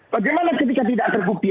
bagaimana ketika tidak terbukti